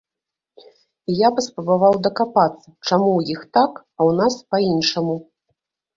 І я паспрабаваў дакапацца, чаму ў іх так, а ў нас па-іншаму.